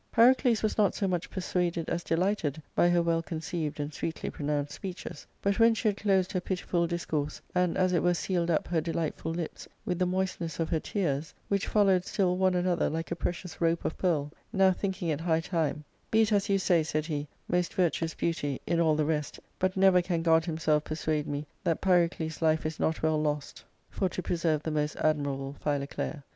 . Pyrocles was not so much persuaded as deUghted by her well conceived and sweetly pronounced speeches ; but when she had closed her pitiful discourse, and as it were sealed up her delightful lips with the moistness of her tears, which followed still one another like a precious rope of pearl, now thinking it high time, " Be it as you say," said he, " most virtuous beauty, in all the rest, but never can God himsdf persuade me that Pyrocles' life is not well lost for to preserve * Valures — a&, value, worth. ARCADIA.Sook IV. 433 the most admirable Philoclea.